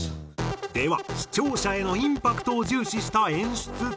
では視聴者へのインパクトを重視した演出とは？